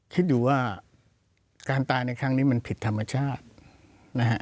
คิดดูว่าการตายในครั้งนี้มันผิดธรรมชาตินะฮะ